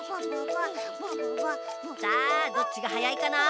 さあどっちがはやいかな？